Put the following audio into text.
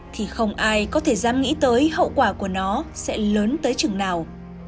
thì không ai có thể dám nghĩ tới hậu quả của nó sẽ lớn tới chừng nào